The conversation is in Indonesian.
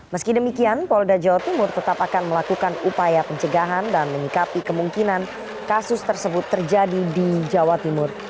meski demikian polda jawa timur tetap akan melakukan upaya pencegahan dan menyikapi kemungkinan kasus tersebut terjadi di jawa timur